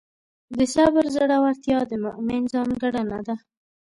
د صبر زړورتیا د مؤمن ځانګړنه ده.